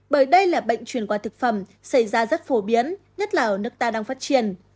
bởi đây là bệnh truyền qua thực phẩm xảy ra rất phổ biến nhất là ở nước ta đang phát triển